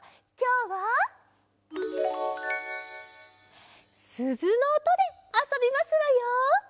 きょうはすずのおとであそびますわよ。